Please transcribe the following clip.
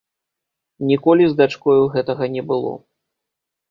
Ніколі з дачкою гэтага не было.